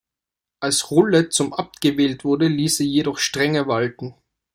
Als Rulle zum Abt gewählt wurde, ließ er jedoch Strenge walten.